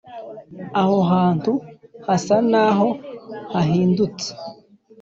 aho hantu hasa naho hahindutse;